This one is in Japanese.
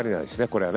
これは。